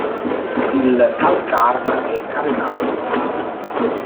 Il calcar è carenato.